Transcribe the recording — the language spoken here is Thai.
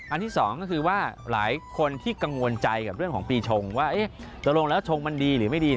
อันที่๒คือว่าหลายคนที่กังวลใจเรื่องของปีชงว่าเอ๊ะตรงแล้วทำแล้วชงมันดีหรือไม่ดีนะ